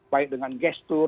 baik dengan gestur